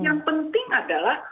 yang penting adalah